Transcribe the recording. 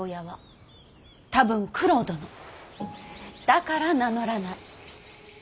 だから名乗らない。